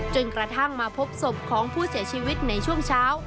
จนกระทั่งมาพบศพของผู้เสียชีวิตในช่วงเช้า